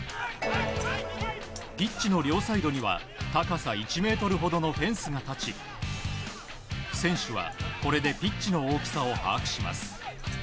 ピッチの両サイドには高さ１ｍほどのフェンスが立ち選手はこれでピッチの大きさを把握します。